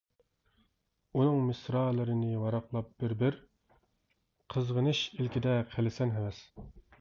ئۇنىڭ مىسرالىرىنى ۋاراقلا بىر-بىر، قىزغىنىش ئىلكىدە قىلىسەن ھەۋەس.